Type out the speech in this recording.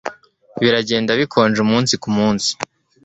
Biragenda bikonja umunsi kumunsi